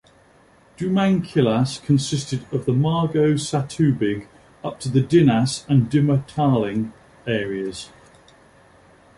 Dumangkilas consisted of Margosatubig up to the Dinas and Dimataling areas.